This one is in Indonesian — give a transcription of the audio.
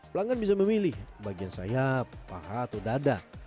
pelanggan bisa memilih bagian sayap paha atau dada